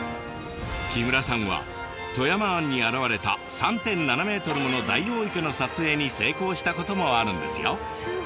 木村さんは富山湾に現れた３．７ｍものダイオウイカの撮影に成功したこともあるんですよ。